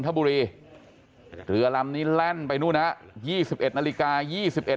ทบุรีเรือลำนี้แล่นไปนู่นฮะยี่สิบเอ็ดนาฬิกายี่สิบเอ็ด